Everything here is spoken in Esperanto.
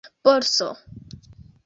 borso